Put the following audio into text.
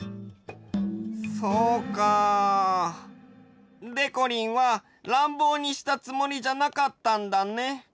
そうか。でこりんはらんぼうにしたつもりじゃなかったんだね。